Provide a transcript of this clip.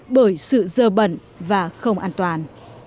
bởi sự dơ bẩn và không an toàn